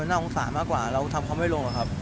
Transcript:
น่าสงสารมากกว่าเราทำเขาไม่ลงอะครับ